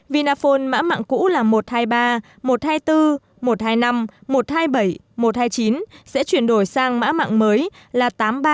vinaphone mã mạng cũ là một trăm hai mươi ba một trăm hai mươi bốn một trăm hai mươi năm một trăm hai mươi bảy một trăm hai mươi chín sẽ chuyển đổi sang mã mạng mới là tám mươi ba tám mươi bốn tám mươi năm tám mươi một tám mươi hai